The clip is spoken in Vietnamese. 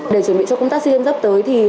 để chuẩn bị cho công tác sea games sắp tới